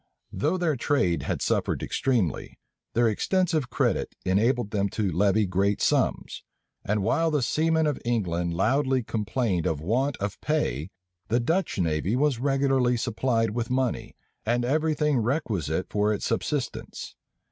{1667.} Though their trade had suffered extremely, their extensive credit enabled them to levy great sums; and while the seamen of England loudly complained of want of pay, the Dutch navy was regularly supplied with money and every thing requisite for its subsistence.